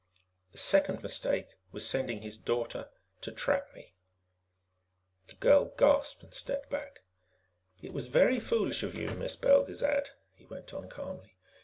"The second mistake was sending his daughter to trap me." The girl gasped and stepped back. "It was very foolish of you, Miss Belgezad," he went on calmly.